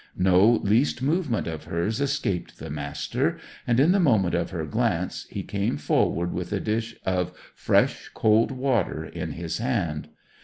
No least movement of hers escaped the Master, and in the moment of her glance, he came forward with a dish of fresh cold water in his hand.